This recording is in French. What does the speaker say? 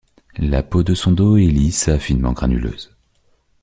La peau de son dos est lisse à finement granuleuse.